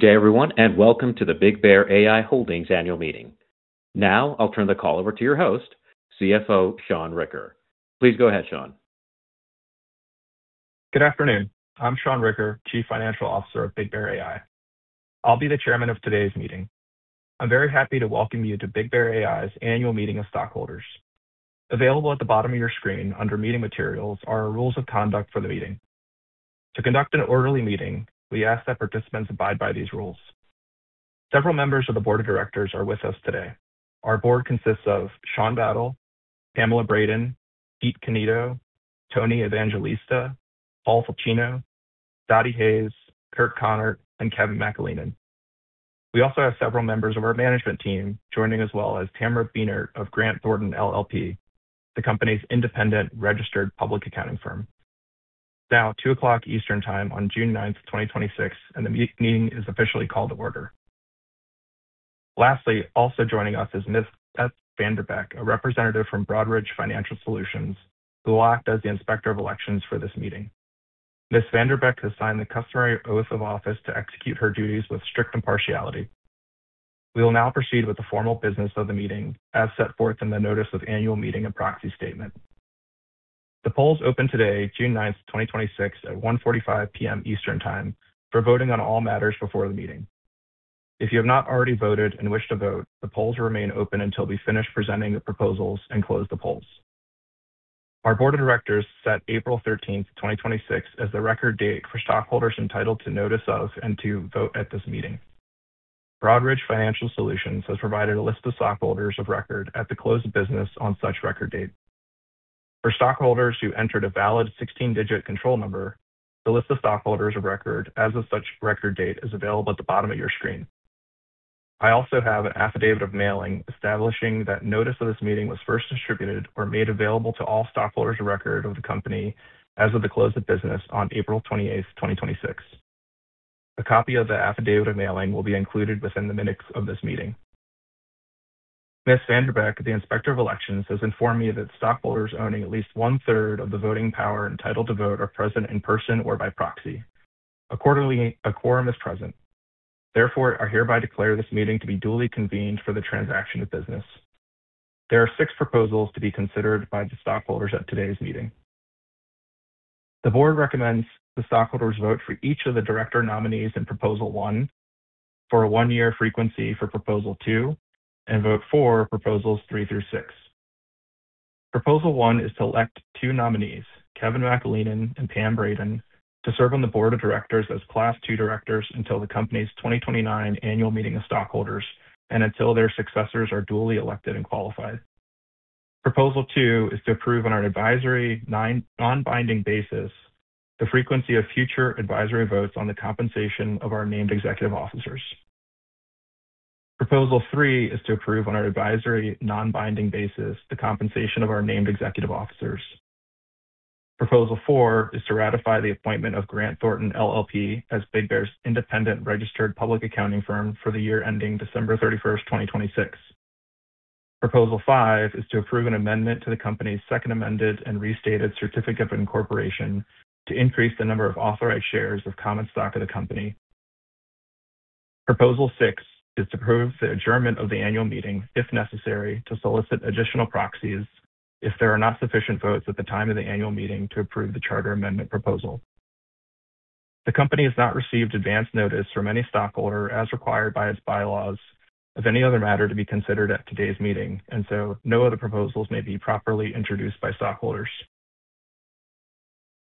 Good day, everyone, and welcome to the BigBear.ai Holdings Annual Meeting. Now, I'll turn the call over to your host, CFO Sean Ricker. Please go ahead, Sean. Good afternoon. I'm Sean Ricker, Chief Financial Officer of BigBear.ai. I'll be the Chairman of today's meeting. I'm very happy to welcome you to BigBear.ai's annual meeting of stockholders. Available at the bottom of your screen under meeting materials are our rules of conduct for the meeting. To conduct an orderly meeting, we ask that participants abide by these rules. Several members of the Board of Directors are with us today. Our board consists of Sean Battle, Pamela Braden, Peter Cannito, Tony Evangelista, Paul Fulchino, Dottie Hayes, Kirk Konert, and Kevin McAleenan. We also have several members of our management team joining, as well as Tamara Beanert of Grant Thornton LLP, the company's independent registered public accounting firm. It is now 2:00 P.M. Eastern Time on June 9th, 2026, the meeting is officially called to order. Lastly, also joining us is Ms. Beth VanDerbeck, a representative from Broadridge Financial Solutions, who will act as the Inspector of Elections for this meeting. Ms. VanDerbeck has signed the customary oath of office to execute her duties with strict impartiality. We will now proceed with the formal business of the meeting as set forth in the Notice of Annual Meeting and Proxy Statement. The polls opened today, June 9th, 2026, at 1:45 P.M. Eastern Time for voting on all matters before the meeting. If you have not already voted and wish to vote, the polls remain open until we finish presenting the proposals and close the polls. Our Board of Directors set April 13th, 2026, as the record date for stockholders entitled to notice of and to vote at this meeting. Broadridge Financial Solutions has provided a list of stockholders of record at the close of business on such record date. For stockholders who entered a valid 16-digit control number, the list of stockholders of record as of such record date is available at the bottom of your screen. I also have an affidavit of mailing establishing that notice of this meeting was first distributed or made available to all stockholders of record of the company as of the close of business on April 28th, 2026. A copy of the affidavit of mailing will be included within the minutes of this meeting. Ms. VanDerbeck, the Inspector of Elections, has informed me that stockholders owning at least one-third of the voting power entitled to vote are present in person or by proxy. A quorum is present. I hereby declare this meeting to be duly convened for the transaction of business. There are six proposals to be considered by the stockholders at today's meeting. The board recommends the stockholders vote for each of the Director nominees in Proposal 1, for a one-year frequency for Proposal 2, and vote for Proposals 3 through 6. Proposal 1 is to elect two nominees, Kevin McAleenan and Pam Braden, to serve on the Board of Directors as Class II Directors until the company's 2029 annual meeting of stockholders and until their successors are duly elected and qualified. Proposal 2 is to approve, on an advisory non-binding basis, the frequency of future advisory votes on the compensation of our named executive officers. Proposal 3 is to approve, on an advisory, non-binding basis, the compensation of our named executive officers. Proposal 4 is to ratify the appointment of Grant Thornton LLP as BigBear's independent registered public accounting firm for the year ending December 31st, 2026. Proposal 5 is to approve an amendment to the company's second amended and restated certificate of incorporation to increase the number of authorized shares of common stock of the company. Proposal 6 is to approve the adjournment of the annual meeting, if necessary, to solicit additional proxies if there are not sufficient votes at the time of the annual meeting to approve the charter amendment proposal. The company has not received advance notice from any stockholder, as required by its bylaws, of any other matter to be considered at today's meeting. No other proposals may be properly introduced by stockholders.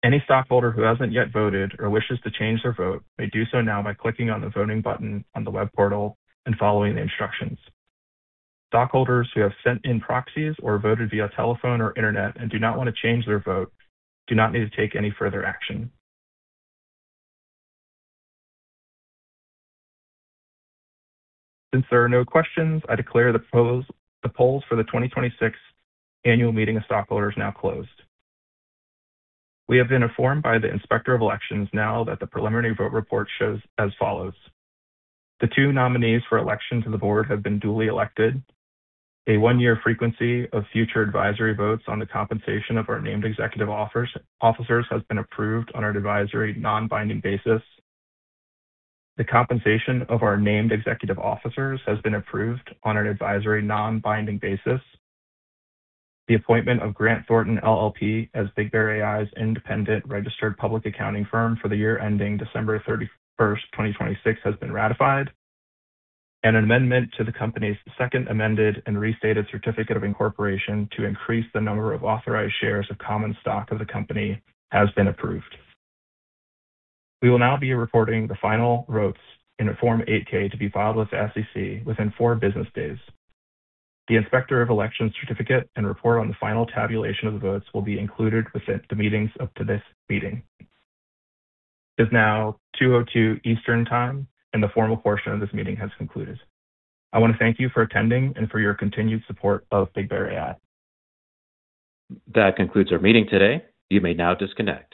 Any stockholder who hasn't yet voted or wishes to change their vote may do so now by clicking on the voting button on the web portal and following the instructions. Stockholders who have sent in proxies or voted via telephone or internet and do not want to change their vote do not need to take any further action. Since there are no questions, I declare the polls for the 2026 annual meeting of stockholders now closed. We have been informed by the Inspector of Elections now that the preliminary vote report shows as follows. The two nominees for election to the board have been duly elected. A one-year frequency of future advisory votes on the compensation of our named executive officers has been approved on an advisory, non-binding basis. The compensation of our named executive officers has been approved on an advisory, non-binding basis. The appointment of Grant Thornton LLP as BigBear.ai's independent registered public accounting firm for the year ending December 31st, 2026, has been ratified. An amendment to the company's second amended and restated certificate of incorporation to increase the number of authorized shares of common stock of the company has been approved. We will now be recording the final votes in a Form 8-K to be filed with the SEC within four business days. The Inspector of Elections certificate and report on the final tabulation of the votes will be included with the meetings up to this meeting. It is now 2:02 P.M. Eastern Time, and the formal portion of this meeting has concluded. I want to thank you for attending and for your continued support of BigBear.ai. That concludes our meeting today. You may now disconnect.